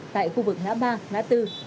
tại khu vực ngã ba ngã bốn